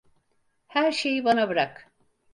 Her şeyi bana bırak.